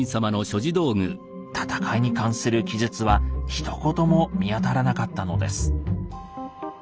戦いに関する記述はひと言も見当たらなかったのです。